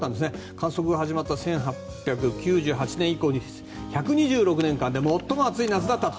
観測が始まった１８９８年以降１２６年間で最も暑い夏だった。